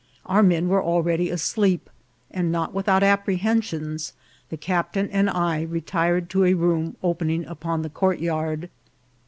Our men were al ready asleep, and, not without apprehensions, the captain and I retired to a room opening upon the courtyard.